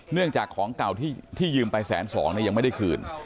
เนื่องจากของเก่าที่ยืมไปแสนสองเนี่ยยังไม่ได้คืน